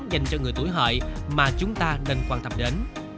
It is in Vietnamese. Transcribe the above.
dành cho người tuổi hợi mà chúng ta nên quan tâm đến